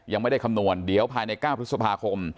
ยังไม่ได้คำนวณเดี๋ยวภายใน๙พฤษภาคม